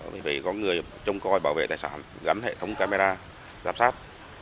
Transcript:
phải có người trông coi bảo vệ tài sản gắn hệ thống camera giám sát